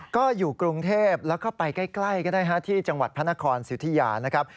ก็อยู่กรุงเทพแล้วก็ไปใกล้ก็ได้ฮะที่จังหวัดพระนครสิทธิยานะครับ